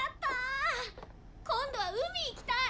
今度は海行きたい！